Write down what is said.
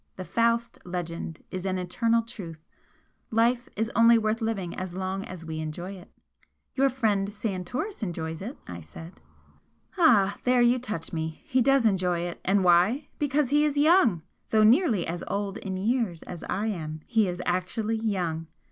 The Faust legend is an eternal truth Life is only worth living as long as we enjoy it." "Your friend Santoris enjoys it!" I said. "Ah! There you touch me! He does enjoy it, and why? Because he is young! Though nearly as old in years as I am, he is actually young!